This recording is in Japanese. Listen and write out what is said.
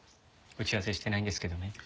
打ち合わせしてないんですけどね。